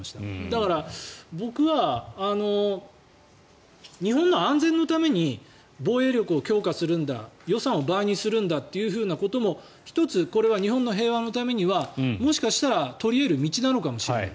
だから僕は日本の安全のために防衛力を強化するんだ予算を倍にするんだってことも１つ、これは日本の平和のためにはもしかしたら取り得る道なのかもしれない。